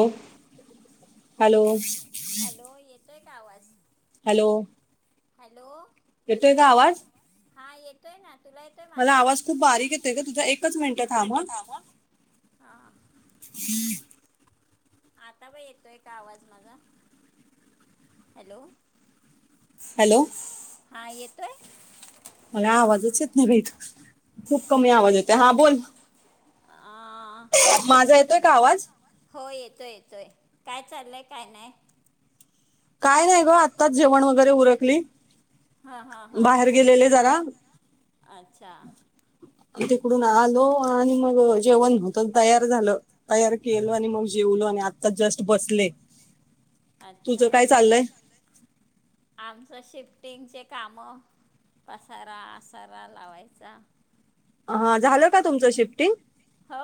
अ.. hello hello येतोय का आवाज हॅलो हॅलो येतोय का आवाज हा येतोय ना तुला येतोय मला माझा आवाज खुप बारीक येतोय ग तुझा एकच मिंट थांब हा [inaudible] हा आता ब येतोय का आवाज माझा हॅलो हॅलो हा येतोय अला आवाज च येत नहीं बई तू खूप कमी आवाज येतो हा बोल अ ते का आवाज हो येतोय येतोय काय चाललंय काय नाही काय नाही ग आत्ताच जेवण वगैरे उरकली हा हा हा बाहेर गेलेले जरा अच्छा तिकडून आलो आणि मग जेवण होतं तयार झालं तयार केलं आणि मग जेवलो आम्ही आत्ताच जस्ट बसले अच्छा खाल्ले आमचं शिफ्टिंगचे काम पसारा आसारा लावायचा हा झालं का तुमचं शिफ्टिंग हो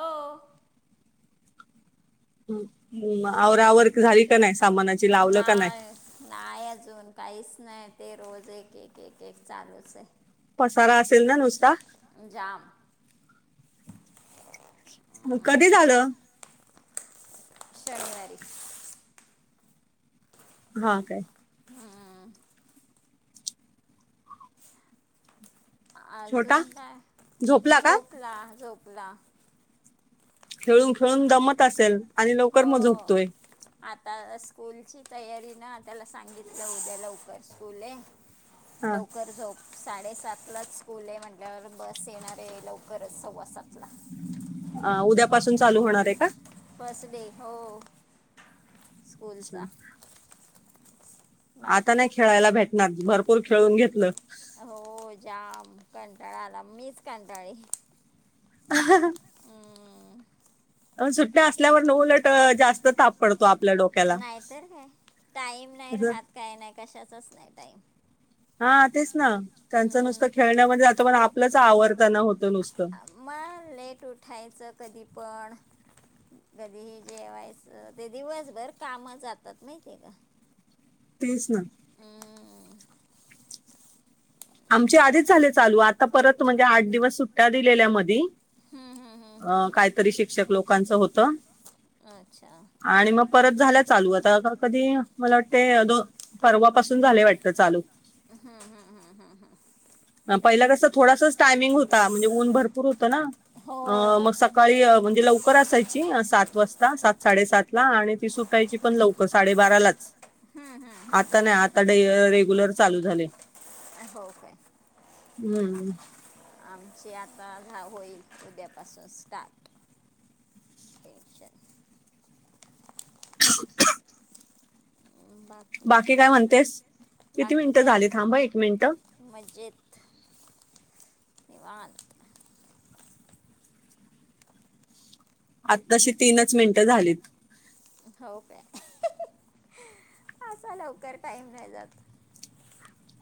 ह् आवरा आवर्क झाली का नाही सामानाची लावलं का नाही नाय नाही अजून काहीच नाही ते रोज एक एक एक एक चालूच हे पसारा असेल ना नुसता जाम कधी झालं शनिवारी हा काय हम्म छोटा अजुन काय झोपला झोपला खेळून खेळून दमत असेल आणि लवकर मग हो झोपतोय आता स्कूलची तयारी ना त्याला सांगितलं उद्या लवकर स्कूल हे हा लवकर झोप साडेसातला च स्कूल आहे म्हटल्यावर बस येणार हे लवकरच सव्वा सात ला अ उद्यापासून चालू होणार हे का फस डे हो अच्छा. स्कूलचा आता बाकी नाही खेळायला भेटणार भरपूर खेळून घेतलं हो जाम कंटाळा आला मी च कंटाळी [unintelligible] हम्म, अ सुट्या असल्यावर न उलटं अ जास्त ताप पडतो आपल्या डोक्याला नाहीतर काय टाईम नाही असं राहत काय नाही कशाचाच नाही टाईम हा तेच ना त्यांच नुसतं खेळण्यामध्ये जातं पण आपलंच आवर मग लेट उठायचं कधी पण कधीही जेवायचं ते दिवसभर कामचं जातात माहिती का तेच ना हम्म आमचे आधीच झाले चालू आता परत म्हणजे आठ दिवस सुट्ट्या दिलेल्या म दि हम्म, हम्म, हम्म, हम्म, अ काहीतरी शिक्षक लोकांच हो त हम्म. अच्छा हम्म, आणि मग परत झाल्या चालु आता का कधी मला वाटते ग परवा पासुन झाले वाटतं चालु हम् हम्म हम्म हम पहिला कस थोडासाच टायमिंग होता म्हणजे ऊन भरपूर होतं ना अ हो मग सकाळी म्हणजे लवकर असायची सात वाजता सात साडेसात ला आणि ती सुटायची पण लवकर साडेबारा लाच हम्म, हम्म. आता नाही आता रेग्युलर चालू झाले हो हम्म आमचे आता घाव होईल उद्यापासून स्टार्ट टंशन बाकी काय म्हणतेस किती बाकी मिनिटं झाली थांब एक मिनिटं निवान आताशी तीनच मिनिटं झालीत हो का असा लवकर टाईम नाही जात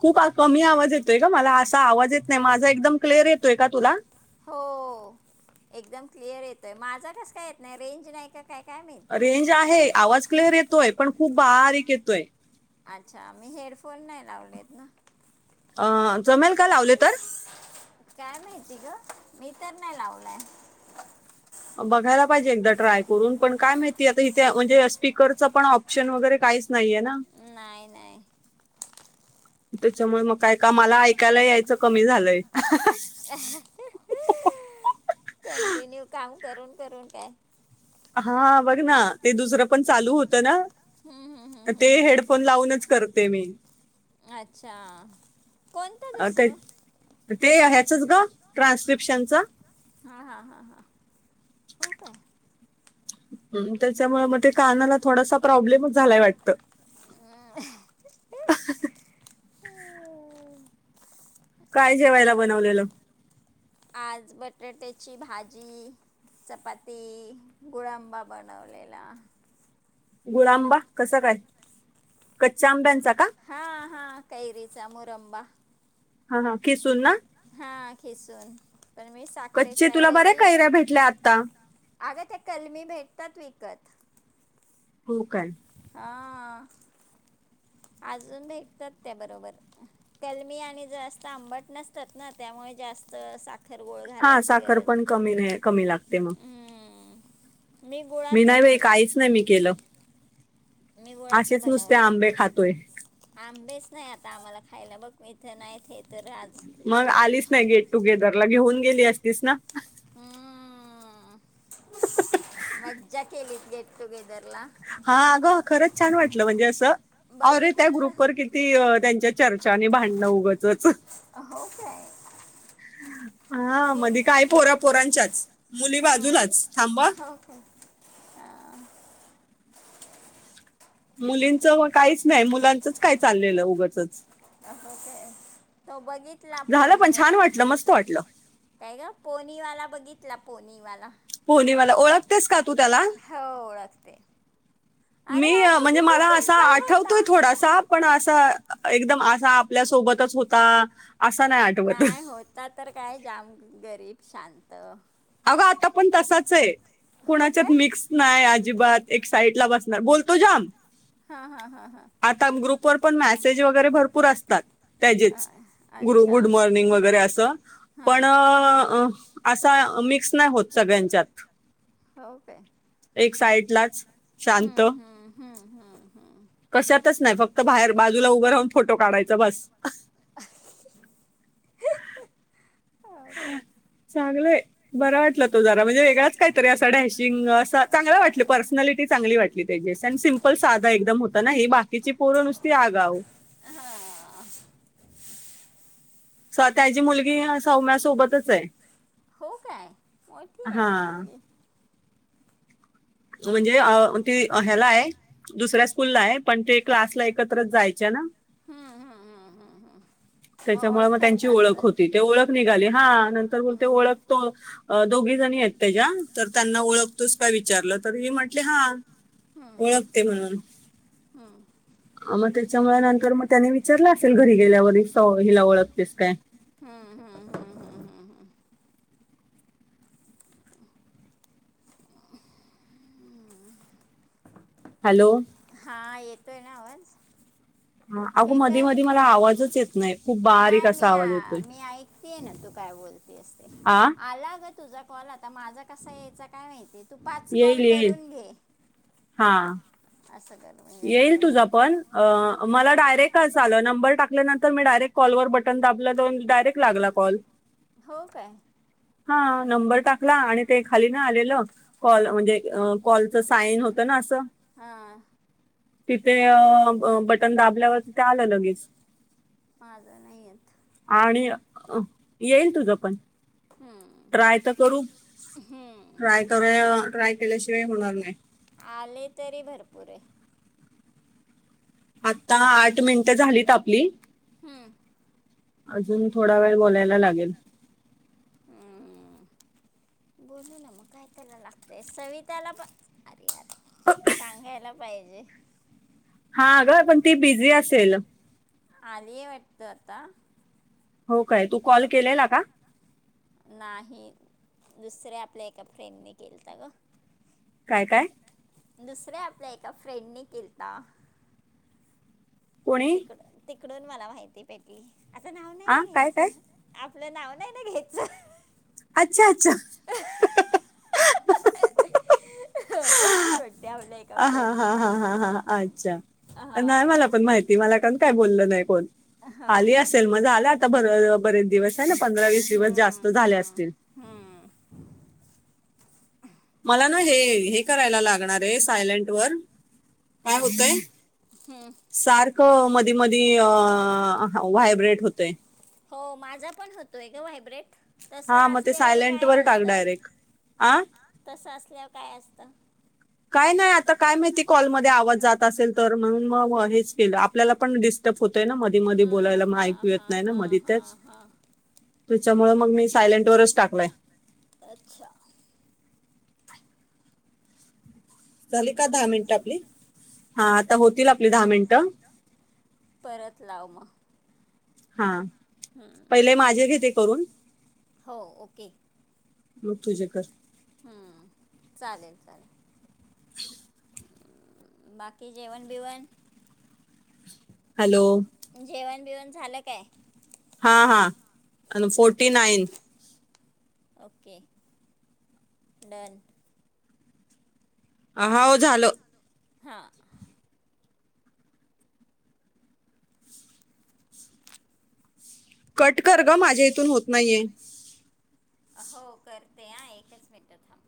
खूप कमी आवाज येतोय का मला असा आवाज येत नाही माझा एकदम क्लिअर येतोय का तुला हो एकदम क्लिअर येतोय माझा कस काय येत नाही रेंज नाही का काय काय माहिती रेंज आहे आवाज क्लिअर येतोय पण खूप बारीक येतोय अच्छा मी हेडफोन नाही लावलेत ना अ जमेल काय लावले तर काय माहिती ग मी तर नाही लावलय बघायला पाहिजे एकदा ट्राय करून पण काय माहिती आता इथे म्हणजे स्पीकरचं पण ऑप्शन वगैरे काहीच सनाईया ना नाही नाही त्याच्यामुळे मग का मला ऐकायला यायचं कमी झालंय कंटिन्यू काम करून करून काय हा बघ ना ते दुसरं पण चालू होतं ना हम्म, हम्म, हम्म, ते हम्म, हम्म. हेडफोन लावूनच करते मी अच्छा कोणत दुसरं च ग ट्रान्स्क्रिप्शनचा हा हा हा हा हो काय त्याच्यामुळे मग ते कानाला थोडासा प्रॉब्लेमच झालाय वाटत हम् काय जेवायला बनवलेलं आज बटाट्याची भाजी चपाती गुळांबा बनवलेला गुळ आंबा कसा काय कच्च्या आंब्यांचा का हा हा कय रिच मुरमबा हा हा किसुन ना हा खेसून कच्चे तुला बऱ्या काैऱ्या भेटल्या आता अगं ते कलमी भेटतात विकत होकण हा अजून भेटतात त्या बरोबर कलमी आणि जास्त आंबट नसतात ना त्यामुळे जास्त साखर गोळ हा घालायची साखर गरज पण कमी कमी लागते मग हम्म. मी गुळाचा नाही भाई केला काहीच नाही मी केलं मी गुळाचा असेच नुसते बनवला आंबे खातोय आंबेच नाही आता आम्हाला खायला बघ म इथं नाही ते हे तर आज मग आलीच नाही गेट टुगेदर ला घेऊन गेली असतीस ना हम्म मज्जा केलीत गेट टुगेदर ला हा अगं खरंच छान वाटलं म्हणजे असं रे त्या बघितलं ग्रुपवर किती त्यांच्या चर्चानी भांडणं उगतच हो काय ह हा मी मध काय पोऱ्या पोरांच्याच मुली हम्म. बाजूलाच थांबा हो क्षक्षक्षृल काय हो मुलींचं व काहीच नाही मुलांचच काय चाललेलं उगचच काय तो बघितला पोनीवा वाटलं मस्त वाटलं काय ग पोनीवाला बघित इला पणीवाला पनी मला ओळखतेस का तू त्याला हो ओळखते अरे मी यार तो म्हणजे किती मला असं सिम्पल आठवतोय होता थोडासा पण असं एकदम असा आपल्यासोबतच होता असा आठवत नाही होता तर काय जाम गरीब शांत अा आता पण तसाच आहे हो कणाच्यात काय मिक्स नाही अजिबात एक साईडला बस बोलतो जाम हा हा हा हा आता ग्रुपवरर पण मेसेज वगैरे भरपूर असतात त्याचेच अ- गुरु अच्छा गुड मॉर्निंग वगैरे असं हा पण असा मिक्स नाही होत सगळ्यांच्यात हो काय एक साइडलाच हम्म हम्म हम्म हम्म हम्म कशातच नाही फक्त बाहेर बाजूला उभं राहून फोटो काढायचा बस हो काय चांगले बर वाटलं तो जरा म्हणजे वेगळाच काहीतरी असा डॅशिंग अस चांगला वाटलं पर्सनॅलिटी चांगली वाटली सिमपल साधा एकदम होता ना ही बाकीची पोर नुसती आगाव हा. क्षरलक्षरर स त्याची मुलगी सौम्यासोबतच आहे हो काय मोठी आहे मग हा मुलगी म्हणजे ते ह्याला आहे दुसऱ्या स्कूलला आहे पण ते क्लासला एकत्रच जायचे ना हम्म हम्म हम्म हम्म हम्म त्याच्यामुळे मग ओळखत त्यांची ओळख असं होती ते ओळख निघाली हा नंतर बोलते ओळख हम्म तो दोघी जणी आहेत त्याच्या तर त्यांना ओळखतोच काय विचारलं तर म म्हंटले हा ओळखते म्हणून हमम मग त्याच्यामुळे नंतर मग त्यानी विचारलं असेल घरी गेल्यावर हिला ओळखतेस काय हम्म हम्म हम्म हम्म हम्म हम्म हॅलो हा येतोय ना आवाज ह अगो हे मधी कर मधी मला आवाजच येत नाही खूप बारीक नाही असा मी आवाज येतोय मी ऐकतेय ना तू काय बोलते असते आ आला तुझा कॉल आता माझा कसा यायचा काय माहिती आहे तू पाच येईल कॉल येईल करून घे हा असं कर म्हणजे येईल बरोबर आहे तुझा पण मला डायरेटल नंर टाकल्या नंत मी डारेक् कॉलवर बन दाबलं लागला कल हो काय हा नंबर टाकला आणि ते खाली ना आलेलं कॉल म्हणजे कॉलच साईन होतं ना असं ह तिथे बटन दाबल्यावर तिथे आलं लगेच माझं नाही येत अ येईल तुझ पण हम्म ट्राय तर करू हम्म ट्राय कर ट्राय केल्याशिवाय होणार नाही आले तरी भरपूर आहे आता आठ मिनिटं झालीत आपली हम अन ऎंटिलेजेबल अजुन थोडा वेळ बोलायला लागेल हम्म बोलु ना मग काय करायला लागतय सविताला पण सांगायला पाहिजे हा ग पण ती बिझी असेल अली वाटत आता हो काय तु कॉल केलेला का नाही दुसऱ्या आपल्या एका फ्रेंडने केलता ग काय काय दुसऱ्या आपल्या एका फ्रेंडनी केलता कोणी तिकड तिकडून मला माहिती भेटली आता नाव नाही आ ना काय काय घ्यायच नाव नाही ना घ्याचच अच्छा अच्छा अन ऎंटिलेजेबल आ हा हा हा हा हा अच्छा नाही मला हां पण माहिती मला काण काय बोलल नाही कोण हो आली काय असेल मजा आला आता बर बरेच दिवस आहे पंधरा वीस हम्म, दिवस जास्त झाले हम्म, असतील हम्म. मला ना हे हे करायला लागणार आहे सायलेंट वर काय अच्छा होतय हम्म सारक मधी मधी व्हायब्रेट होतेय हो माझा पण होतोय ग व्हायब्रेट तस हा मग ते असल्यावर सायलेंट काय वर टाक असत डायरेक्ट आ तस असल्यावर काय असत काय नाही आता काय माहिती कॉलमध्ये आवाज जात असेल तर म्हणुन मग हेच केलं आपल्याला पण डिस्टर्ब होत. ना मधी मध हां बोलायला म ऐकू हां येत हां नाही ना मधी हां त्याच हां हां त्याच्यामुळ मग बरोबर मी सायलेंट वरच टाकलाय. अच्छा झाली का दहा मिनिट आपली हा आता होतील आपली दहा मिनट. परत लाव मग हा पहिले माझे घेते करून. हो ओके तु तुजे कर. हम्म चालेल चालेल बाकी जेवण बिवण हॅलो जेवण बिवण झालं काय. हा हा आणि फोर्टी नाईन ओके डन आह आ ओ झालं हा कट कर ग माझ्या इथुन होत नाहीये. हो करते आ एकच मिनट